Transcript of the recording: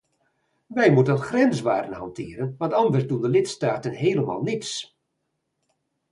Wij moeten grenswaarden hanteren, want anders doen de lidstaten helemaal niets.